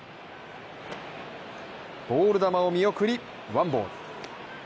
ボール球を見送り、ワンボール。